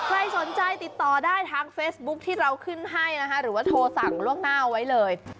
ใครสนใจติดต่อได้ทางเฟซบุ๊คที่เราขึ้นให้นะคะหรือว่าโทรสั่งล่วงหน้าไว้เลย